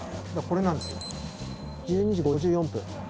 これなんですよ１２時５４分。